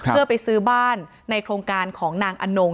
เพื่อไปซื้อบ้านในโครงการของนางอนง